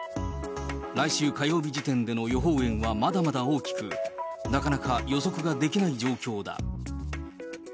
来週火曜日時点での予報円はまだまだ大きく、なかなか予測ができない状況だ。